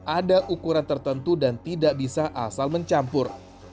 ada ukuran tertentu dan tidak bisa asal mencampur